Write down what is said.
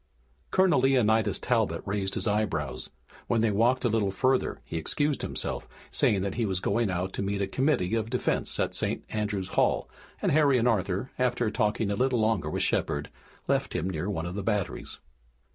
Colonel Leonidas Talbot raised his eyebrows. When they walked a little further he excused himself, saying that he was going to meet a committee of defense at St. Andrew's Hall, and Harry and Arthur, after talking a little longer with Shepard, left him near one of the batteries.